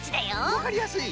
わかりやすい。